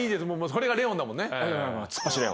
それがレオンだもんね。